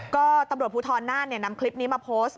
ก็ตำรวจภูทรน่านนำคลิปนี้มาโพสต์